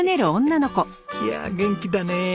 いやあ元気だね。